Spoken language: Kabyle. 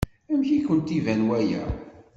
Amek i kent-iban waya?